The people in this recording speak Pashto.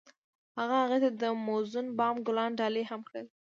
هغه هغې ته د موزون بام ګلان ډالۍ هم کړل.